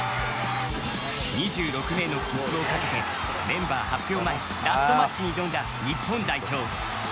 ２６名の切符をかけてメンバー発表前ラストマッチに挑んだ日本代表。